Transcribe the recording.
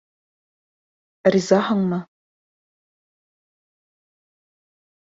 Ризаһыңмы?!